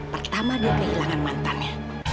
pertama dia kehilangan mantannya